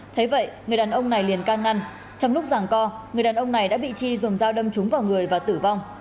thế vậy người đàn ông này liền can ngăn trong lúc giảng co người đàn ông này đã bị chi dùng dao đâm trúng vào người và tử vong